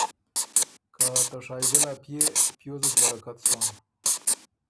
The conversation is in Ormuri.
که ”ته شائزل ا پيې! پیوزت بَرَکت سون۔